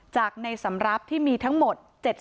จากในสำรับที่มีทั้งหมด